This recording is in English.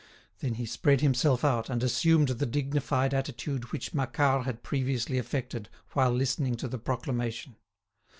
Then he spread himself out, and assumed the dignified attitude which Macquart had previously affected while listening to the proclamation.